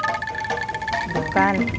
adiknya itu bukan